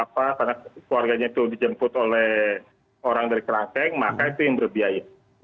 karena keluarganya itu dijemput oleh orang dari kerangkeng maka itu yang berbiaya